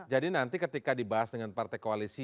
nanti ketika dibahas dengan partai koalisi